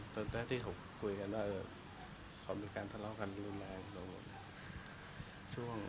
เต้นแต่ที่ผมคุยกันผมมีการทะเลาะกันร่วมแรง